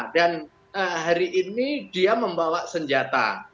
dan hari ini dia membawa senjata